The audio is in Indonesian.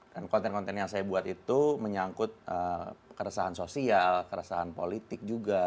dan konten konten yang saya buat itu menyangkut keresahan sosial keresahan politik juga